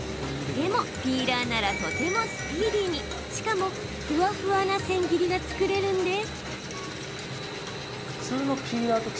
でも、ピーラーならとてもスピーディーにしかも、ふわふわなせん切りが作れるんです。